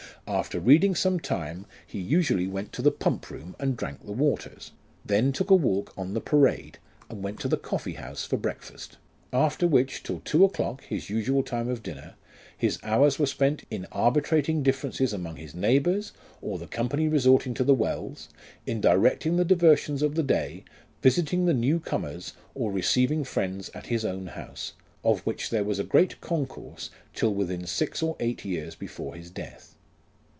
After reading some time, he usually went to the pump room and drank the waters ; then took a walk on the parade, and went to the coffee house to breakfast ; LIFE OF RICHARD NASH. 125 after which, till two o'clock (his usual time of dinner) his hours were spent in arbitrating differences amongst his neighbours, or the company resorting to the wells ; in directing the diversions of the day, visiting the new comers, or receiving friends at his own house ; of which there was a great concourse till within six or eight years before his death.